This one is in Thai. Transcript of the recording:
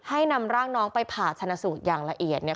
นำร่างน้องไปผ่าชนะสูตรอย่างละเอียดเนี่ย